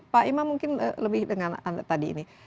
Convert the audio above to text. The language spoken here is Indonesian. pak imam mungkin lebih dengan tadi ini